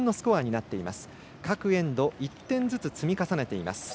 各エンド１点ずつ積み重ねています。